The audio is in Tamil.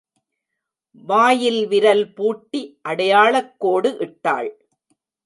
வாயில் விரல் பூட்டி அடையாளக் கோடு இட்டாள்.